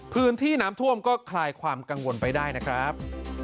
พื้นที่น้ำท่วมก็คลายความกังวลไปได้นะครับ